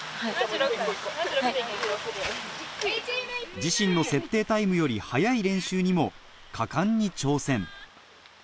自身の設定タイムより速い練習にも果敢に挑戦